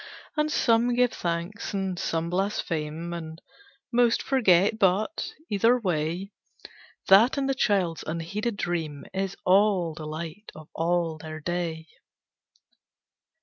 And give some thanks, and some blaspheme, And most forget, but, either way, That and the child's unheeded dream Is all the light of all their day.